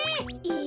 え